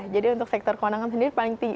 jadi untuk sektor keuangan sendiri paling tinggi